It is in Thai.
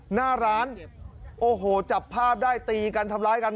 หน้าร้านโอ้โหจับภาพได้ตีกันทำร้ายกัน